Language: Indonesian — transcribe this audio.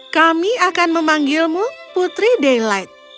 kami akan memanggilmu putri daylight